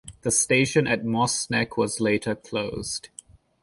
The station at Moss Neck was later closed.